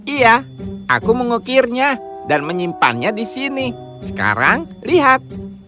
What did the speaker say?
iya aku mengukirnya dan menyimpannya di sini sekarang lihat